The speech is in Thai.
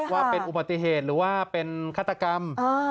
ว่าเป็นอุบัติเหตุหรือว่าเป็นฆาตกรรม